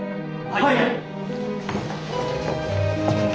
はい！